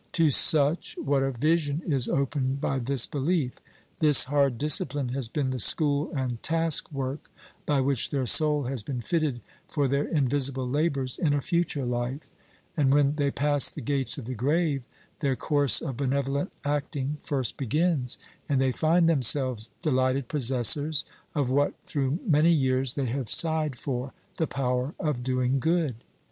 To such, what a vision is opened by this belief! This hard discipline has been the school and task work by which their soul has been fitted for their invisible labors in a future life; and when they pass the gates of the grave, their course of benevolent acting first begins, and they find themselves delighted possessors of what through many years they have sighed for the power of doing good.